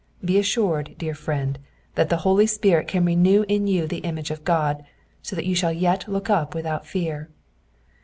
Be assured, dear friend, that the Holy Spirit can renew in you the image of God, so that you shall yet look up without fear.